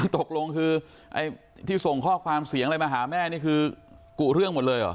ตกลงคือไอ้ที่ส่งข้อความเสียงอะไรมาหาแม่นี่คือกุเรื่องหมดเลยเหรอ